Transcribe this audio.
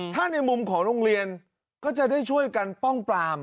ถ้าในมุมของโรงเรียนก็จะได้ช่วยกันป้องปราม